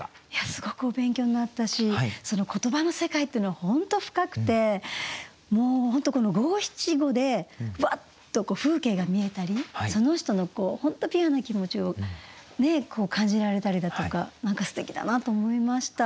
すごくお勉強になったし言葉の世界っていうのは本当深くて五七五でうわっと風景が見えたりその人のピュアな気持ちを感じられたりだとか何かすてきだなと思いました。